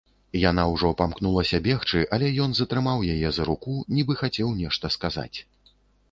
Яна ўжо памкнулася бегчы, але ён затрымаў яе за руку, нібы хацеў нешта сказаць.